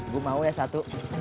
gue mau ya satu